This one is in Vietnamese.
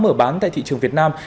mở bán tại thị trường việt nam